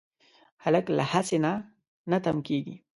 هلک له هڅې نه نه تم کېږي.